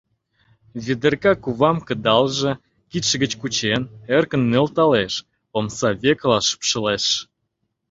Ведерка кувам кыдалже, кидше гыч кучен, эркын нӧлталеш, омса векыла шупшылеш.